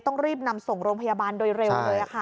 ต้องรีบนำส่งโรงพยาบาลโดยเร็วเลยค่ะ